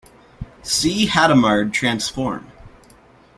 See Hadamard transform.